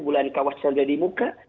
bulan kawasan jadi muka